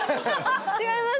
違います。